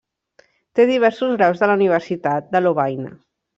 Té diversos graus de la Universitat de Lovaina.